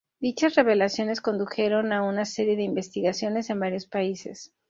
Dichas revelaciones condujeron a una serie de investigaciones en varios países.